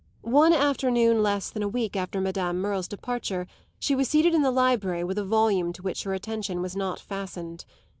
One afternoon less than a week after Madame Merle's departure she was seated in the library with a volume to which her attention was not fastened.